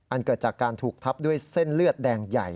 เกิดจากการถูกทับด้วยเส้นเลือดแดงใหญ่